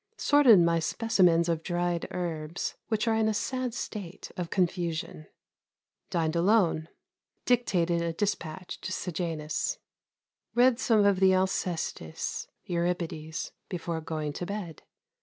Sorted my specimens of dried herbs, which are in a sad state of confusion. Dined alone. Dictated a despatch to Sejanus. Read some of the "Alcestis" (Euripides) before going to bed.